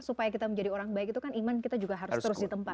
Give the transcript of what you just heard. supaya kita menjadi orang baik iman kita harus terus ditempa